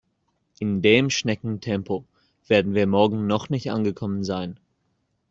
In dem Schneckentempo werden wir morgen noch nicht angekommen sein.